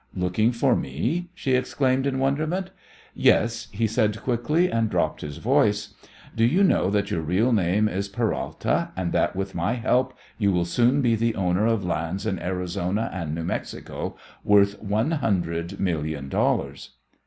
"Looking for me!" she exclaimed in wonderment. "Yes," he said quickly, and dropped his voice. "Do you know that your real name is Peralta, and that with my help you will soon be the owner of lands in Arizona and New Mexico worth one hundred million dollars?"